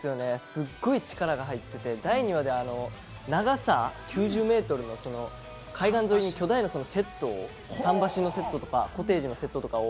すっごい力が入っていて第２話では長さ９０メートルの海岸沿いに巨大なセット、桟橋のセットとか、コテージのセットを。